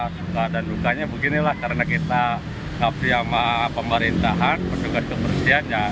suka dan lukanya beginilah karena kita gak berhubung sama pemerintahan petugas kebersihan